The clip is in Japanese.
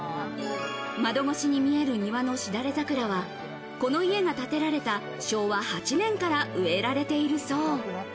窓越しに見える庭のしだれ桜は、この家が建てられた昭和８年から植えられているそう。